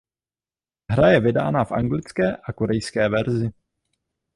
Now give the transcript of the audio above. Hra je vydána v anglické a korejské verzi.